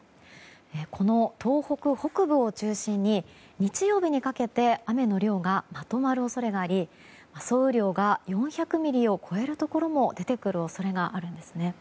この東北北部を中心に日曜日にかけて雨の量がまとまる恐れがあり総雨量が４００ミリを超えるところも出てくる恐れがあります。